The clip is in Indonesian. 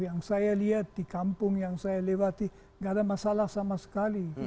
yang saya lihat di kampung yang saya lewati gak ada masalah sama sekali